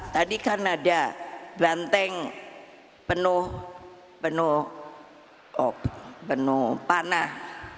tadi kan ada banteng penuh penuh panah